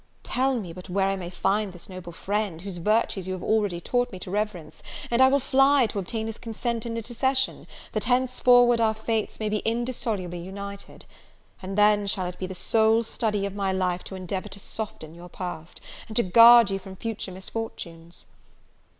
Tell me but where I may find this noble friend, whose virtues you have already taught me to reverence, and I will fly to obtain his consent and intercession, that henceforward our fates my be indissolubly united; and then shall it be the sole study of my life to endeavor to soften your past, and guard you from future misfortunes!"